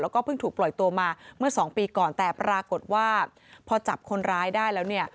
แล้วก็เพิ่งถูกปล่อยตัวมาเมื่อสองปีก่อนแต่ปรากฏว่าพอจับคนร้ายได้แล้วเนี่ย